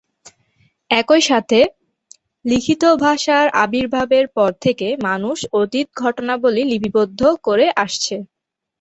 একই সাথে, লিখিত ভাষার আবির্ভাবের পর থেকে মানুষ অতীত ঘটনাবলী লিপিবদ্ধ করে আসছে।